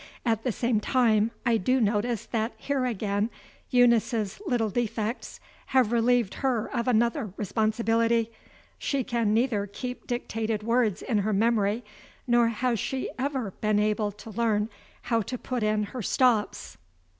At the same time, I do notice that here again Eunice's little defects have relieved her of another responsibility. She can neither keep dictated words in her memory, nor has she ever been able to learn how to put in her stops.